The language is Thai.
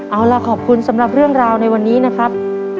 เอาล่ะขอบคุณสำหรับเรื่องราวในวันนี้นะครับ